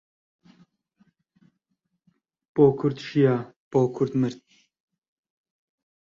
بۆ کورد ژیا، بۆ کورد مرد